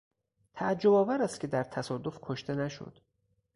تعجبآور است که در تصادف کشته نشد.